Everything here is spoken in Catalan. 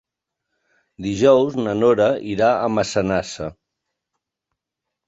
Dijous na Nora irà a Massanassa.